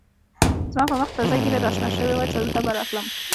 زما په مخ تازه ږېره را شنه شوې وه چې دلته به راتلم.